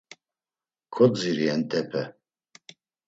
Kodziri entepe.